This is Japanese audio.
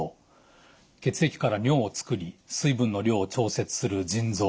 血液から尿を作り水分の量を調節する腎臓。